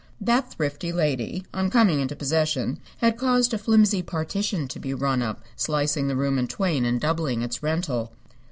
That thrifty lady, on coming into possession, had caused a flimsy partition to be run up, slicing the room in twain and doubling its rental.